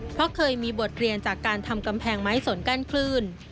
เพราะเคยมีบทเรียนจากการทำกำแพงไม้สนกั้นคลื่น